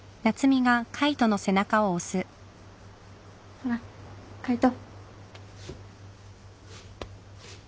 ほら海斗。